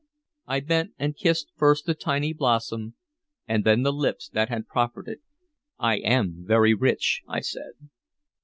I bent and kissed first the tiny blossom, and then the lips that had proffered it. "I am very rich," I said.